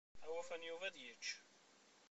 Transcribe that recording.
Awufan Yuba ad yečč.